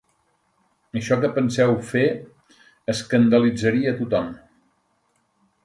Això que penseu fer escandalitzaria tothom.